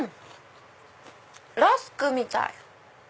ラスクみたい。